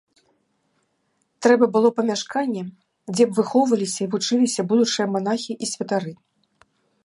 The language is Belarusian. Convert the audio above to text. Трэба было памяшканне, дзе б выхоўваліся, вучыліся будучыя манахі і святары.